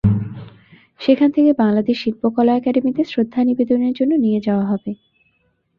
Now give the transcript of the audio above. সেখান থেকে বাংলাদেশ শিল্পকলা একাডেমীতে শ্রদ্ধা নিবেদনের জন্য নিয়ে যাওয়া হবে।